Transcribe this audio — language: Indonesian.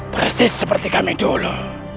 persis seperti kami dulu